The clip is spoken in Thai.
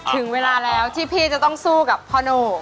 ถึงเวลาแล้วที่พี่จะต้องสู้กับพ่อโน่